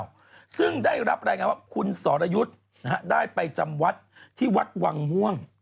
หรือเปล่าซึ่งได้รับรายงานว่าคุณศรยุทธ์ได้ไปจำวัดที่วัดวังม่วง